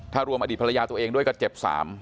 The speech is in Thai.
ถ้ารวมอดีตภรรยาตัวเองด้วยก็เจ็บ๓